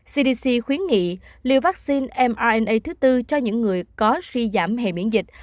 cdc khuyến nghị liều vắc xin mrna thứ bốn cho những người có suy giảm hệ miễn dịch